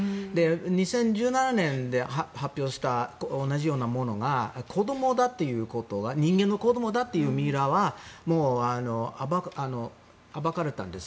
２０１７年に発表した同じようなものが人間の子どもだっていうミイラはもう暴かれたんですよ。